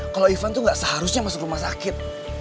kalo ivan tuh gak seharusnya masuk rumah sakit